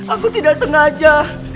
aku tidak sengaja